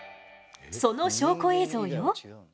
その証拠映像よ。